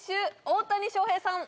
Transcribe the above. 大谷翔平さん